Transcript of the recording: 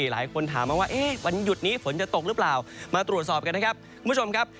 หลายคนถามมาว่าวันหยุดนี้ฝนจะตกหรือเปล่ามาตรวจสอบกันครับ